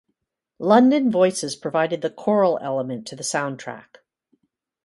London Voices provided the choral element to the soundtrack.